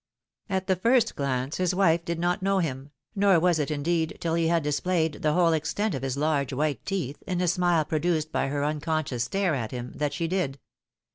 At the iirst glace his wife did not know him ; nor was it, indeed, till he had displayed the whole extent of his large white teeth, in a smile produced by her unconscious stare at Mm, that she did.